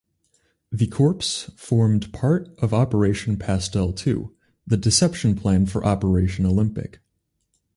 The Corps formed part of Operation Pastel Two, the deception plan for Operation Olympic.